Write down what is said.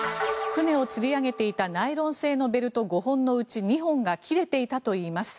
船をつり上げていたナイロン製ベルト５本のうち２本が切れていたといいます。